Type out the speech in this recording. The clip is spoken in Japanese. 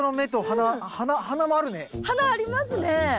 鼻ありますね。